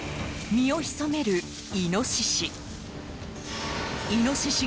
身を潜めるイノシシ。